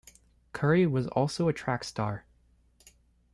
Currie was also a track star.